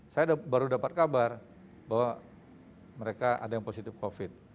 saya baru dapat kabar bahwa mereka ada yang positif covid